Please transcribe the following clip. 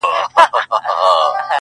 مناجات؛